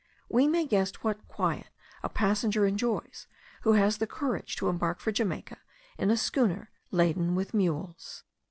We may guess what quiet a passenger enjoys, who has the courage to embark for Jamaica in a schooner laden with mules.